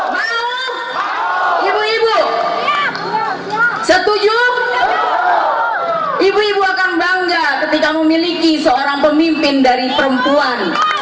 maaf ibu ibu setuju ibu ibu akan bangga ketika memiliki seorang pemimpin dari perempuan